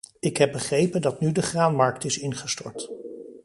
Ik heb begrepen dat nu de graanmarkt is ingestort.